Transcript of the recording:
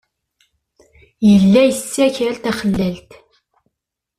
Yella yettaker taxlalt.